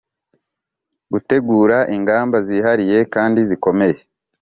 gutegura ingamba zihariye kandi zikomeye